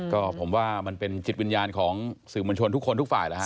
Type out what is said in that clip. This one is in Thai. ก็ผมว่ามันเป็นจิตวิญญาณของสื่อมวลชนทุกคนทุกฝ่ายแล้วฮ